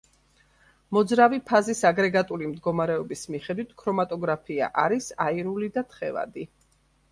მოძრავი ფაზის აგრეგატული მდგომარეობის მიხედვით ქრომატოგრაფია არის აირული და თხევადი.